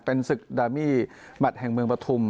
เป็นศึกดามี่แมทแห่งเมืองปฐุม